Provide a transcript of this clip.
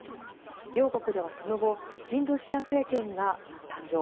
両国ではその後親ロシア政権が誕生。